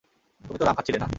তুমি তো রাম খাচ্ছিলে, না?